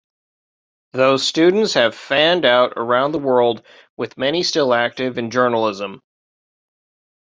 Those students have fanned out around the world with many still active in journalism.